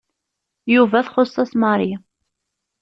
Yuba txuṣṣ-as Mary.